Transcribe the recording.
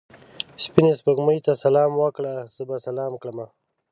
سپینې سپوږمۍ ته سلام وکړه؛ زه به سلام کړم.